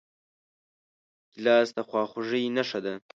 ګیلاس د خواخوږۍ نښه ده.